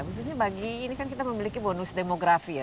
khususnya bagi ini kan kita memiliki bonus demografi ya